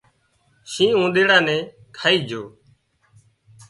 شينهن اونۮيڙا نين کائي جھو